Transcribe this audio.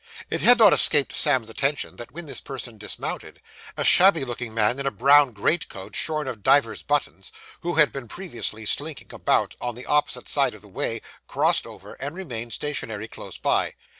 It had not escaped Sam's attention that, when this person dismounted, a shabby looking man in a brown greatcoat shorn of divers buttons, who had been previously slinking about, on the opposite side of the way, crossed over, and remained stationary close by.